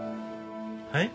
はい？